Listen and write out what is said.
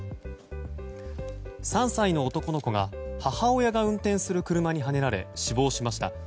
３歳の男の子が母親が運転する車にはねられ死亡しました。